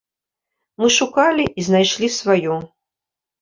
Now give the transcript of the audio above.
Мы шукалі і знайшлі сваё.